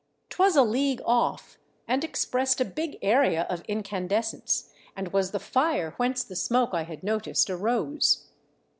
'Twas a league off, and expressed a big area of incandescence, and was the fire whence the smoke I had noticed arose.